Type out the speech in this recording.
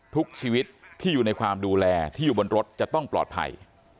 ทุกชีวิตที่อยู่ในความดูแลที่อยู่บนรถจะต้องปลอดภัย